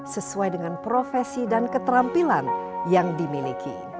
sesuai dengan profesi dan keterampilan yang dimiliki